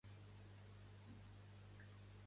Quin paper tenen amb Zeus i Hera?